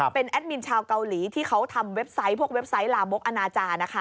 เป็นแอดมินชาวเกาหลีที่เขาทำเว็บไซต์พวกเว็บไซต์ลามกอนาจารย์นะคะ